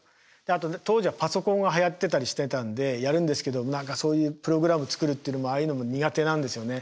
あと当時はパソコンがはやってたりしてたんでやるんですけど何かそういうプログラム作るっていうのもああいうのも苦手なんですよね。